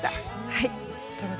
はい。